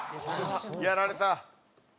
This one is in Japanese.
やられた。